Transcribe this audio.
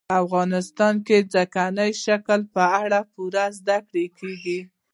په افغانستان کې د ځمکني شکل په اړه پوره زده کړه کېږي.